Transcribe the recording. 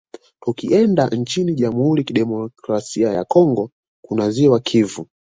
Tukienda nchini Jamhuri ya Kidemokrasia ya Congo kuna ziwa Kivu